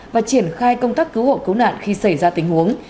và triển khai công tác cứu hộ cứu nạn khi xảy ra tình huống